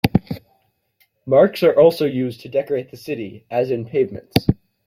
Marks are also used to decorate the city, as in pavements.